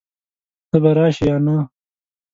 ته به راشې يا نه؟